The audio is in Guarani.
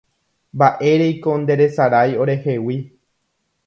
Mba'éreiko nderesarái orehegui